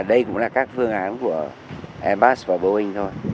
đây cũng là các phương án của airbus và boeing thôi